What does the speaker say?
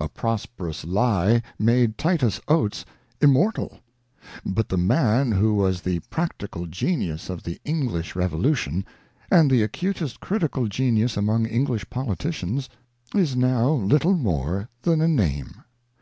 A prosperous lie made Titus Gates immortal ; but the man who was the practical genius of the English Revolution, and the acutest critical genius among English politicians, is now little more than a name.